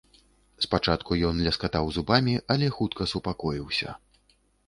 Спачатку ён ляскатаў зубамі, але хутка супакоіўся.